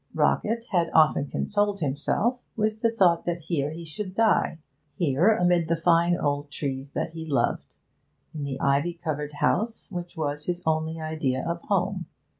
Rockett had often consoled himself with the thought that here he should die, here amid the fine old trees that he loved, in the ivy covered house which was his only idea of home.